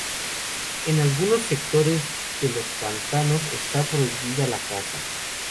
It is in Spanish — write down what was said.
En algunos sectores de los pantanos está prohibida la caza.